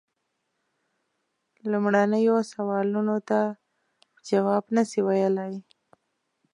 لومړنیو سوالونو ته جواب نه سي ویلای.